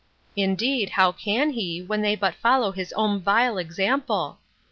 Indeed, how can he, when they but follow his own vile example?